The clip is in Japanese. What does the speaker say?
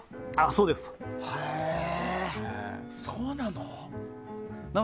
そうなの？